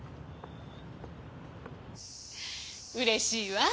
うれしいわ。